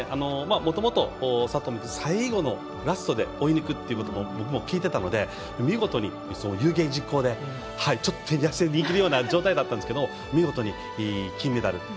もともと佐藤さん最後のラストで追い抜くっていうことを僕も聞いていたので見事に有言実行で手に汗握るような状態だったんですけど見事に金メダル。